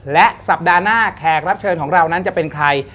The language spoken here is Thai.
และสัปดาห์หน้าแขกรับเชิญของเรานั้นจะเป็นใคร